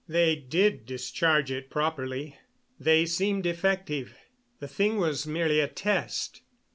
They did discharge it properly they seemed effective. The thing was merely a test.